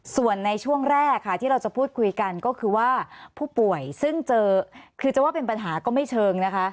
ส่วนในช่วงแรกค่ะที่เราจะพูดคุยกันก็คือว่าผู้ป่วยซึ่งเจอคือจะว่าเป็นปัญหาก็ไม่เชิงนะคะ